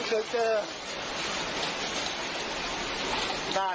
โคตรล้ำ